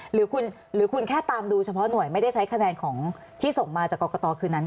หรือคุณแค่ตามดูเฉพาะหน่วยไม่ได้ใช้คะแนนของที่ส่งมาจากกรกตคืนนั้น